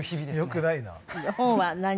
よくないな。